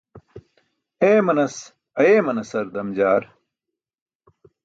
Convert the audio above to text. Eemanas ayeemanasar damjaar.